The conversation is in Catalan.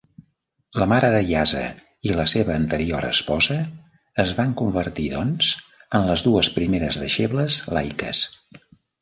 La mare de Yasa i la seva anterior esposa es van convertir, doncs, en les dues primeres deixebles laiques.